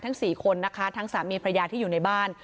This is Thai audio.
๔คนนะคะทั้งสามีพระยาที่อยู่ในบ้าน